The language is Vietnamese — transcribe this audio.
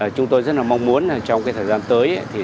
chúng tôi rất mong muốn trong thời gian tới